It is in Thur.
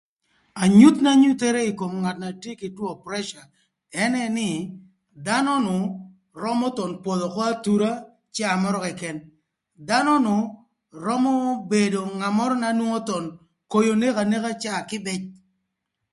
Anyuth na nyuthere ï kom ngat na tye kï two pressure ënë nï dhanü römö thon podho ökö athura caa mörö këkën, dhanü römö bedo ngat mörö na nwongo thon koyo neko aneka caa kïbëc